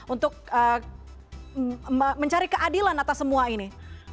untuk mencari keadilan atas semua ini